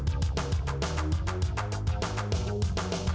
pair satu selesai